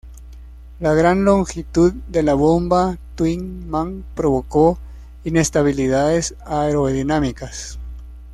La gran longitud de la bomba Thin Man provocó inestabilidades aerodinámicas.